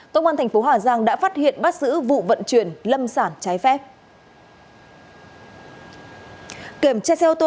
tổng quan tp hà giang đã phát hiện bắt giữ vụ vận chuyển lâm sản trái phép